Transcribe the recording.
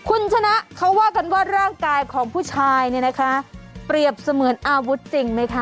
คุณชนะเขาว่ากันว่าร่างกายของผู้ชายเนี่ยนะคะเปรียบเสมือนอาวุธจริงไหมคะ